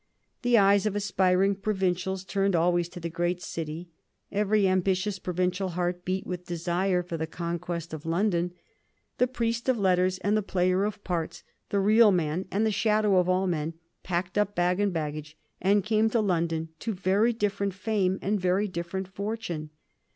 The eyes of aspiring provincials turned always to the great city, every ambitious provincial heart beat with desire for the conquest of London. The priest of letters and the player of parts, the real man and the shadow of all men, packed up bag and baggage and came to London to very different fame and very different fortune.